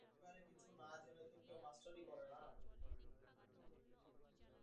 একেবারে কিছু না-জেনে তো কেউ মাষ্টারি করে না।